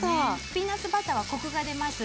ピーナツバターはコクが出ます。